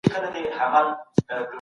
نوي خدمات د خلګو اړتیاوې پوره کوي.